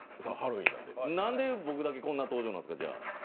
なんで、僕だけこんな登場なんですか、じゃあ。